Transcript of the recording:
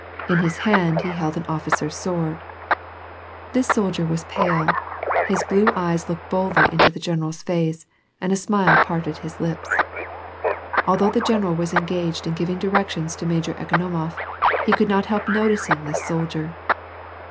In his hand, he held an officer's sword. This soldif»r was jkiIp ; his blue eyes looked boldly into the generaVs iiwf. and a sniile parted his lips. Although the general was enjxaj^ed in giviri'^ directions to Major Ekonomof, he could not help noticing this soldier.